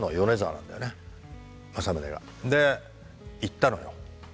で行ったのよ